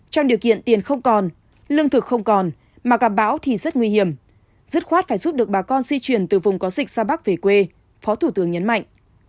trong điều kiện tiền không còn lương thực không còn mà cả bão thì rất nguy hiểm dứt khoát phải giúp được bà con di chuyển từ vùng có dịch ra bắc về quê phó thủ tướng nhấn mạnh